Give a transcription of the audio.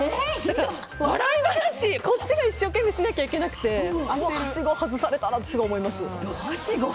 笑い話、こっちが一生懸命しなきゃいけなくてはしご外されたなって思います。